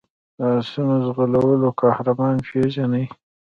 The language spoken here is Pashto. د آسونو ځغلولو قهرمان پېژني.